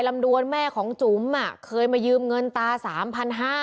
ดวนแม่ของจุ๋มเคยมายืมเงินตา๓๕๐๐บาท